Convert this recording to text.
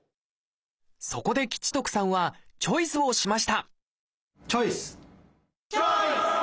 そこで吉徳さんはチョイスをしましたチョイス！